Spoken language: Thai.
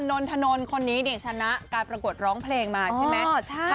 นนทนนคนนี้เนี่ยชนะการปรากฏร้องเพลงมาใช่มั้ย